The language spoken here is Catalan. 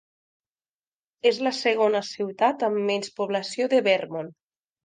És la segona ciutat amb menys població de Vermont.